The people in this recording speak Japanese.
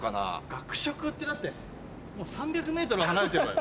学食ってだってもう３００ｍは離れてるわよ？